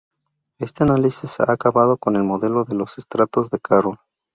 Este análisis ha acabado en el "modelo de los estratos" de Carroll.